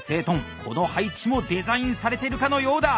この配置もデザインされてるかのようだ！